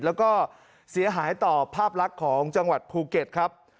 แล้วก็เสียหายต่อภาพลักษณ์ของจังหวัดภูเก็ตครับ